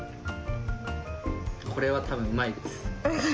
これはたぶん、うまいです。